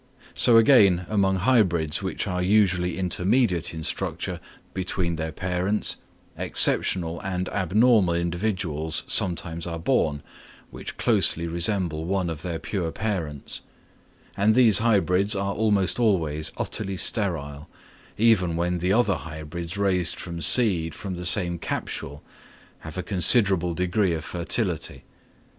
So again among hybrids which are usually intermediate in structure between their parents, exceptional and abnormal individuals sometimes are born, which closely resemble one of their pure parents; and these hybrids are almost always utterly sterile, even when the other hybrids raised from seed from the same capsule have a considerable degree of fertility.